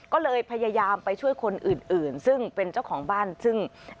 ก็เลยพยายามไปช่วยคนอื่นซึ่งเป็นเจ้าของบ้านซึ่ง